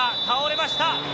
倒れました。